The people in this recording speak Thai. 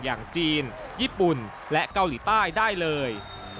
อย่างจีนญี่ปุ่นและเกาหลีใต้ได้เลย